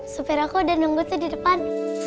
supir aku udah nunggu tuh di depan